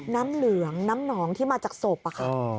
น้ำเหลืองน้ำหนองที่มาจากศพอะค่ะ